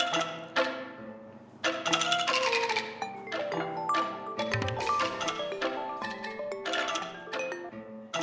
ya apa kabar